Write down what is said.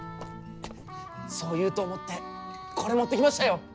そう言うと思ってこれ持ってきましたよ。